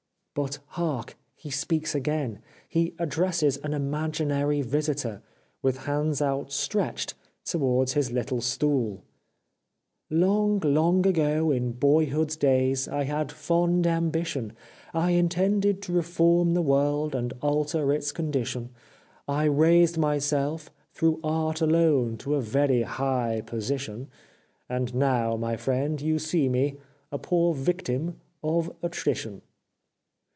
But hark ! He speaks again. He addresses an imaginary vis itor, with hands outstretched towards his little stool : 399 The Life of Oscar Wilde " Long, long ago, in boyhood's days, I had a fond ambition : I intended to reform the world, and alter its condition. I raised myself — through Art alone — to a very high position, And now, my friend, you see me, a poor victim of attrition."